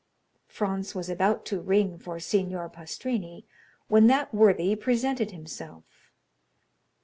Franz was about to ring for Signor Pastrini, when that worthy presented himself.